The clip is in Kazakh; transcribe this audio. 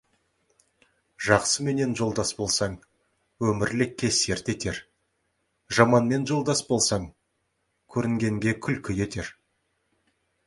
Жақсыменен жолдас болсаң, өмірлікке серт етер, жаманмен жолдас болсаң, көрінгенге күлкі етер.